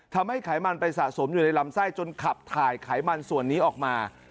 ไขมันไปสะสมอยู่ในลำไส้จนขับถ่ายไขมันส่วนนี้ออกมา